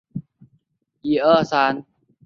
卵形飘拂草为莎草科飘拂草属下的一个种。